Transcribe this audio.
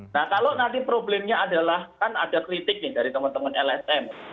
nah kalau nanti problemnya adalah kan ada kritik nih dari teman teman lsm